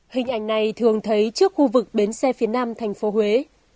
hình ảnh này thường thấy trước khu vực bến xe phía nam thành phố huế